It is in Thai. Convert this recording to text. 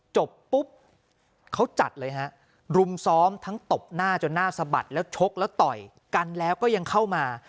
จบปุ๊บเขาจัดเลยฮะรุมซ้อมทั้งตบหน้าจนหน้าสะบัดแล้วชกแล้วต่อยกันแล้วก็ยังเข้ามา